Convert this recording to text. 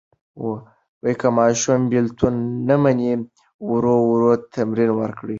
که ماشوم بېلتون نه مني، ورو ورو تمرین ورکړئ.